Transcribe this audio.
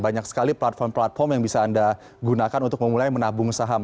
banyak sekali platform platform yang bisa anda gunakan untuk memulai menabung saham